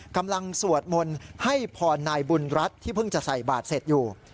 สวดมนต์ให้พรนายบุญรัฐที่เพิ่งจะใส่บาทเสร็จอยู่